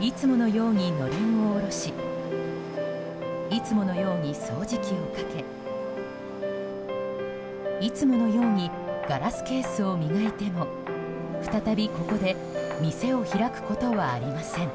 いつものようにのれんを下ろしいつものように掃除機をかけいつものようにガラスケースを磨いても再び、ここで店を開くことはありません。